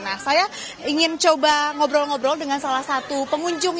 nah saya ingin coba ngobrol ngobrol dengan salah satu pengunjung